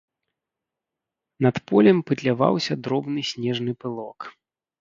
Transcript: Над полем пытляваўся дробны снежны пылок.